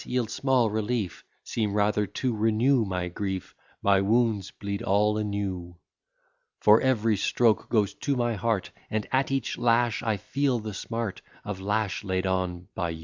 yield small relief, Seem rather to renew my grief, My wounds bleed all anew: For every stroke goes to my heart And at each lash I feel the smart Of lash laid on by you.